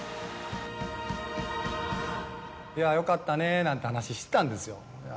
「いやよかったね」なんて話してたんですよ。